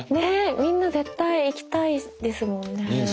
みんな絶対行きたいですもんね。